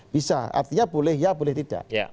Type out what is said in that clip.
bisa artinya boleh ya boleh tidak